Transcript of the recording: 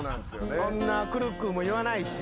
そんな「くるっくぅ」も言わないし。